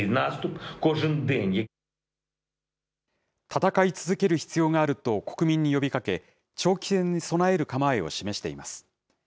戦い続ける必要があると国民に呼びかけ、長期戦に備える構えを示しています。